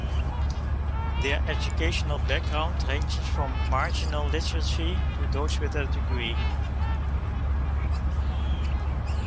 Their educational background ranges from marginal literacy to those with a degree.